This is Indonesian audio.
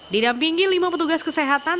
didampingi lima petugas kesehatan